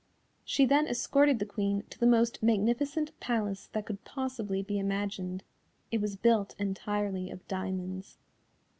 She then escorted the Queen to the most magnificent palace that could possibly be imagined, it was built entirely of diamonds.